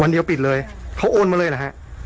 วันเดียวปิดเลยเขาโอนมาเลยเหรอฮะ